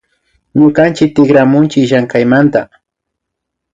Ñukanchik tikramunchi llamkaymanta